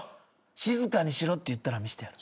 静かにしろって言ったら見せてやる。